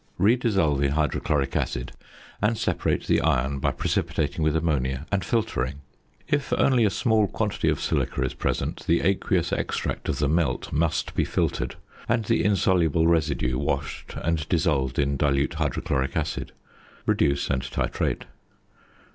Re dissolve in hydrochloric acid, and separate the iron by precipitating with ammonia and filtering. If only a small quantity of silica is present, the aqueous extract of the "melt" must be filtered, and the insoluble residue washed and dissolved in dilute hydrochloric acid. Reduce and titrate.